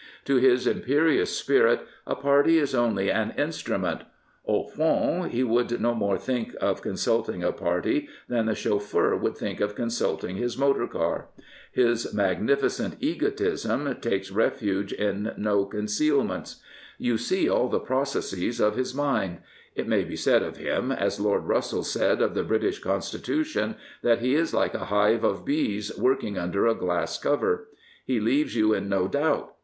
To his imperious spirit, a party is only an instrument. Au fond, he would no more think of consulting a party than the chauffeur would think of consulting his motor car. His magnificent egotism takes refuge 234 Winston Churchill in no concealments. You see all the processes of his mind. It may be said of him, as Lord Russell said of the British Constitution, |that he is like a hive of bees working under a glass cover, i He leaves you in no doubt.